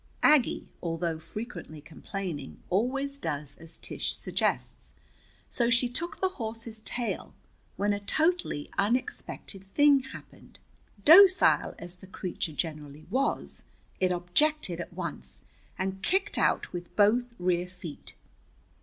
Aggie, although frequently complaining, always does as Tish suggests. So she took the horse's tail, when a totally unexpected thing happened. Docile as the creature generally was, it objected at once, and kicked out with both rear feet.